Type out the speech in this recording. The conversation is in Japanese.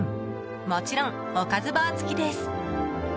もちろん、おかずバー付きです。